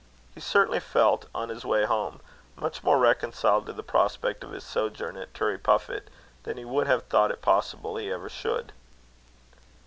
He certainly felt, on his way home, much more reconciled to the prospect of his sojourn at Turriepuffit, than he would have thought it possible he ever should.